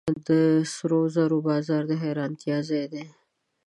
د سرو زرو بازار د حیرانتیا ځای دی.